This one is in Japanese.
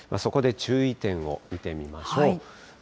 そこで注意点を見てみましょう。